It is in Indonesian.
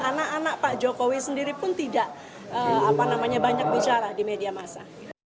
anak anak pak jokowi sendiri pun tidak banyak bicara di media masa